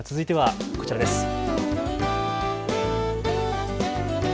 続いてはこちらです。